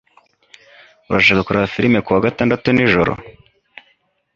Urashaka kureba firime kuwa gatandatu nijoro?